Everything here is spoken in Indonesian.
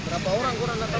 berapa orang kurang ditabrak